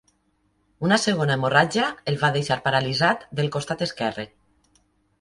Una segona hemorràgia el va deixar paralitzat del costat esquerre.